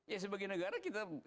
ya sebagai negara kita